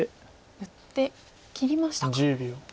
打って切りましたか。